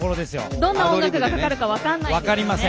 どんな音楽がかかるか分からないんですよね。